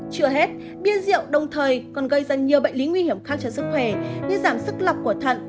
chưa hết bia rượu đồng thời còn gây ra nhiều bệnh lý nguy hiểm khác cho sức khỏe như giảm sức lọc của thận